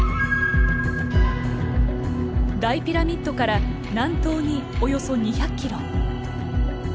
大ピラミッドから南東におよそ２００ｋｍ。